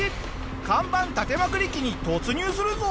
看板立てまくり期に突入するぞ！